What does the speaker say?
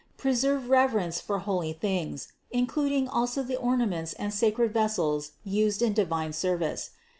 Preserve rever ence for holy things, including also the ornaments and sacred vessels used in divine service.